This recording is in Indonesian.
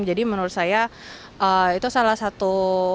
jadi menurut saya itu salah satu